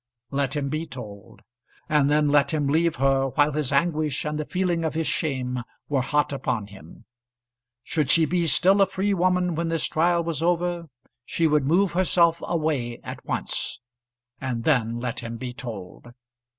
Let him be told, and then let him leave her while his anguish and the feeling of his shame were hot upon him. Should she be still a free woman when this trial was over she would move herself away at once, and then let him be told.